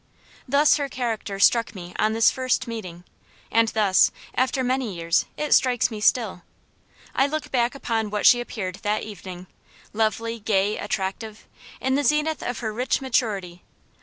Thus her character struck me on this first meeting, and thus, after many years, it strikes me still. I look back upon what she appeared that evening lovely, gay, attractive in the zenith of her rich maturity.